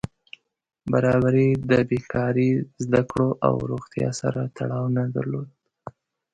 برابري د بېکاري، زده کړو او روغتیا سره تړاو نه درلود.